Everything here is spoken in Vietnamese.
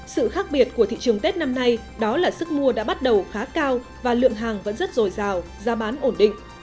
sự khác biệt của thị trường tết năm nay đó là sức mua đã bắt đầu khá cao và lượng hàng vẫn rất dồi dào giá bán ổn định